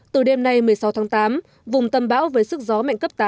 từ đêm nay một mươi sáu tháng tám vùng tâm bão với sức gió mạnh cấp tám